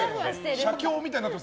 写経みたいになってます。